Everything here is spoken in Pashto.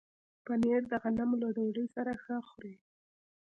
پنېر د غنمو له ډوډۍ سره ښه خوري.